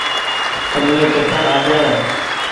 تم ني چڪر آ جآئي ۔